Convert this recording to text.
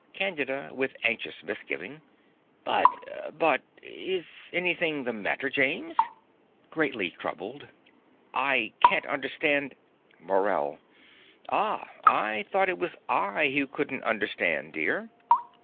CANDIDA (with anxious misgiving). But but Is anything the matter, James? (Greatly troubled.) I can't understand MORELL. Ah, I thought it was I who couldn't understand, dear.